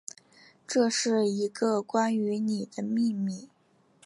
这是一个关于妳的秘密